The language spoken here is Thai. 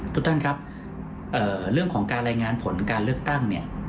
ทุกท่านครับเรื่องของการรายงานผลการเลือกตั้งเนี่ย